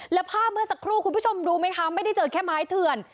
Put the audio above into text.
แล้วภาพเมื่อสักครู่คุณผู้ชมรู้ไหมคะไม่ได้เจอแค่ไม้เถื่อน